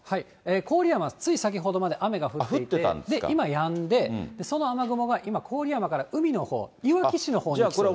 郡山、つい先ほどまで雨が降っていて、今やんで、その雨雲が今、郡山から海のほう、いわき市のほうに来ています。